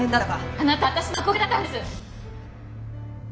あなたは私の憧れだったんです！